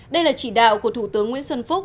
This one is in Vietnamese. đây là chỉ đạo của thủ tướng nguyễn xuân phúc